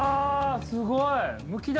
すごい！